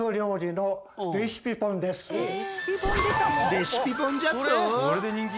レシピ本じゃと？